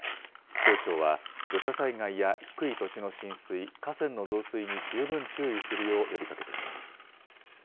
気象庁は土砂災害や低い土地の浸水、河川の増水に十分注意するよう呼びかけています。